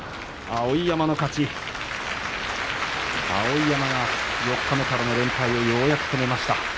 碧山が四日目からの連敗をようやく止めました。